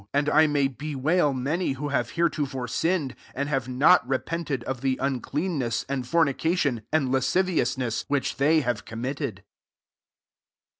505 ind I may bewail many who lave heretofore sinned, and have lot repented of the unclean less, and fornication, and las ;iviousness, which they have committed.